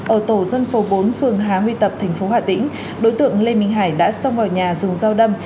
ở tổ dân phố bốn phường hà huy tập tp hà tĩnh đối tượng lê minh hải đã xông vào nhà dùng dao đâm